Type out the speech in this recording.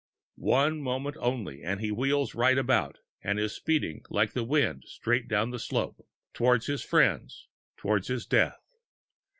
One moment only and he wheels right about and is speeding like the wind straight down the slope toward his friends, toward his death!